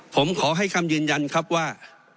ผมขอให้คำยืนยันครับว่า